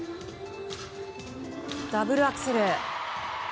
ダブルアクセル。